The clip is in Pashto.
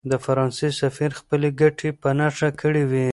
د فرانسې سفیر خپلې ګټې په نښه کړې وې.